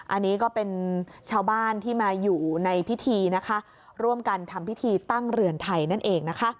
อันนี้ก็เป็นชาวบ้านที่มาอยู่ในพิธีนะคะร่วมกันทำพิธีตั้งเรือนไทยนั่นเองนะคะ